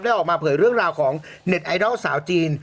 ออกมาเผยเรื่องราวของเน็ตไอดอลสาวจีน